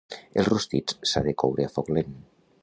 El rostit s'ha de coure a foc lent.